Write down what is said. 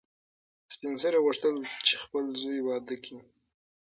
سپین سرې غوښتل چې خپل زوی واده کړي.